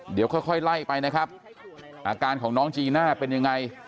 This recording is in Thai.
เดี๋ยวค่อยไล่ไปนะครับอาการของน้องจีน่าเป็นยังไง